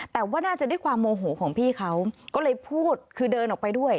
แต่ว่าน่าจะด้วยความโมโหของพี่เขาก็เลยพูดคือเดินออกไปด้วย